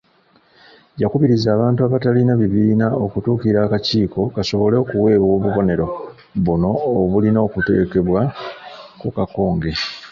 Yakubirizza abantu abatalina bibiina okutuukirira akakiiko kasobole okuweebwa obubonero buno obulina okuteekebwa ku kakonge.